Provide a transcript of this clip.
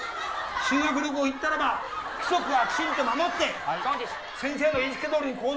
修学旅行行ったらば規則はきちんと守って先生の言い付けどおりに行動すること。